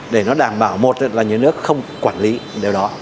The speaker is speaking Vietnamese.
để nó đảm bảo một là nhà nước không quản lý điều đó